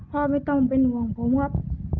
พ่อไม่ต้องเป็นห่วงผมครับ